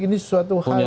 ini sesuatu hal yang